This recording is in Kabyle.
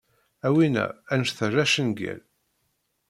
A wina, anect-a d acangel.